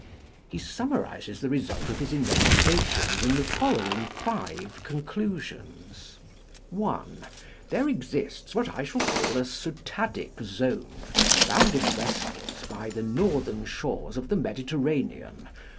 He summarises the result of his investigations in the following five conclusions. "(1) There exists what I shall call a 'Sotadic Zone,' bounded westwards by the northern shores of the Mediterranean (N.